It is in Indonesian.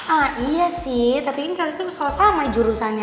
ah iya sih tapi ini kata kata sama sama jurusannya